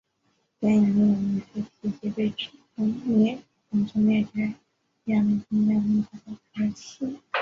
电影没有明确提及被指种族灭绝亚美尼亚人的土耳其。